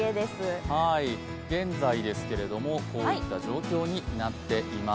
現在ですけども、こういった状況になっています。